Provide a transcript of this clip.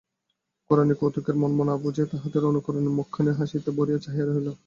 কুড়ানির কৌতুকের মর্ম না বুঝিয়া তাঁহাদের অনুকরণে মুখখানি হাসিতে ভরিয়া চাহিয়া রহিল।